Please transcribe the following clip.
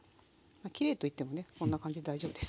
きれいと言ってもねこんな感じで大丈夫です。